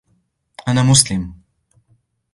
أنا مسلم.